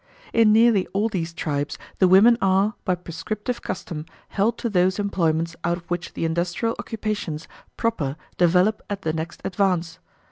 In nearly all these tribes the women are, by prescriptive custom, held to those employments out of which the industrial occupations proper develop at the next advance.